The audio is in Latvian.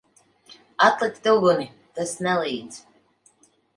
Atlikt uguni! Tas nelīdz.